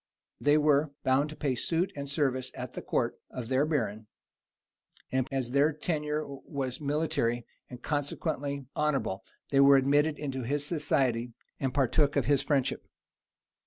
They were; bound to pay suit and service at the court of their baron; and as their tenure was military, and consequently honorable, they were admitted into his society, and partook of his friendship.